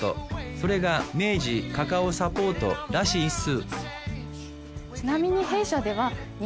それがメイジ・カカオ・サポートらしいっす